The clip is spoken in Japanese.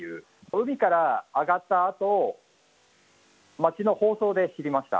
海から上がったあと、町の放送で知りました。